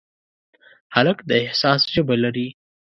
هلک د احساس ژبه لري.